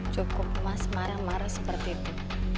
cukup mas marah marah seperti itu